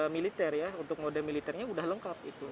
militer ya untuk mode militernya udah lengkap itu